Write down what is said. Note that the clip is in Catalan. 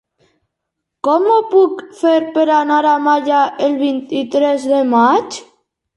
Com ho puc fer per anar a Malla el vint-i-tres de maig?